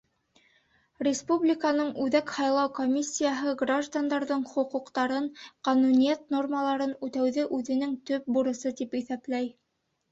Республиканың Үҙәк һайлау комиссияһы граждандарҙың хоҡуҡтарын, ҡануниәт нормаларын үтәүҙе үҙенең төп бурысы тип иҫәпләй.